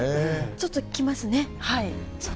ちょっときますね。